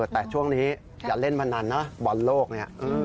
แต่ช่วงนี้อย่าเล่นพนันนะบอลโลกเนี่ย